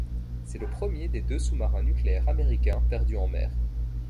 C'est le premier des deux sous-marins nucléaires américains perdu en mers.